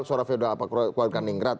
suara feodal apa kualitas keningerat